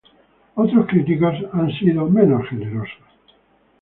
Otros críticos han sido menos generosos.